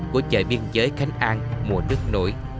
của chợ biên giới khánh an mùa nước nổi